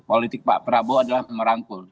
politik pak prabowo adalah merangkul